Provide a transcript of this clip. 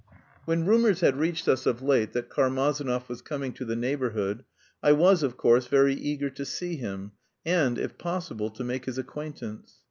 When rumours had reached us of late that Karmazinov was coming to the neighbourhood I was, of course, very eager to see him, and, if possible, to make his acquaintance.